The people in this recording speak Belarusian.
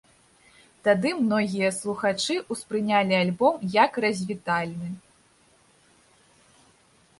Тады многія слухачы ўспрынялі альбом, як развітальны.